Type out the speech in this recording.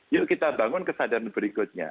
yuk kita bangun kesadaran berikutnya